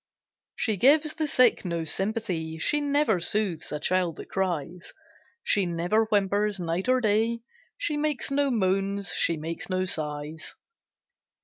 She gives the sick no sympathy, She never soothes a child that cries; She never whimpers, night or day, She makes no moans, she makes no sighs.